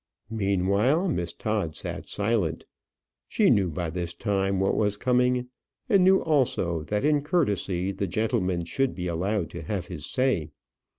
Meanwhile, Miss Todd sat silent. She knew by this time what was coming; and knew also, that in courtesy the gentleman should be allowed to have his say.